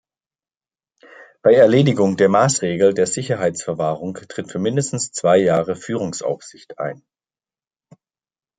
Bei Erledigung der Maßregel der Sicherungsverwahrung tritt für mindestens zwei Jahre Führungsaufsicht ein.